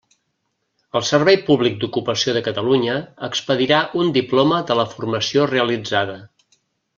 El Servei Públic d'Ocupació de Catalunya expedirà un diploma de la formació realitzada.